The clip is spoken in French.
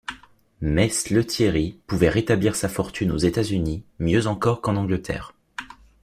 Mess Lethierry pouvait rétablir sa fortune aux États-Unis mieux encore qu’en Angleterre.